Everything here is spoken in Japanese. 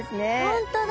本当だ。